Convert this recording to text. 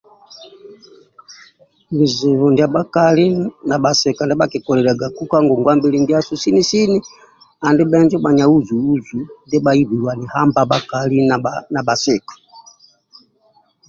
bizibu ndia makali na basika ndiaba kukolilyagaku kangongwabili sini andi benjo banya luzu luzu ndiba hibhilwani hamba bakali na basika